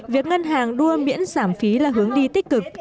việc ngân hàng đua miễn giảm phí là hướng đi tích cực